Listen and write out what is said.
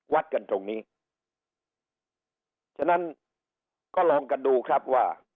วัดกันตรงนี้ฉะนั้นก็ลองกันดูครับว่า